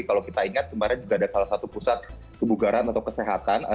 kalau kita ingat kemarin juga ada salah satu pusat kebugaran atau kesehatan